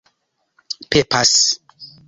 pepas